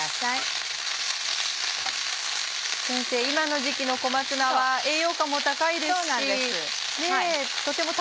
今の時期の小松菜は栄養価も高いですし。